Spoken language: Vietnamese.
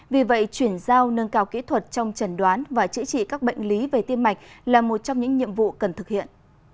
vì vậy chuyển giao nâng cao kỹ thuật trong trần đoán và chữa trị các bệnh lý về tim mạch là một trong những nhiệm vụ cần thực hiện